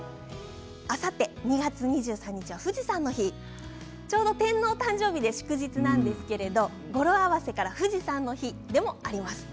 あさって２月２３日は富士山の日ちょうど天皇誕生日で祝日なんですけれど語呂合わせから富士山の日でもあります。